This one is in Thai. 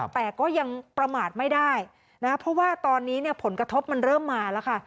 แต่ก็ยังประมาทไม่ได้นะเพราะว่าตอนนี้เนี่ยผลกระทบมันเริ่มมาแล้วค่ะ